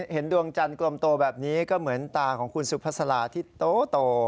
ดวงจันทร์กลมโตแบบนี้ก็เหมือนตาของคุณสุภาษาลาที่โต